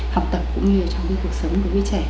học tập cũng như là trong cái cuộc sống của cái trẻ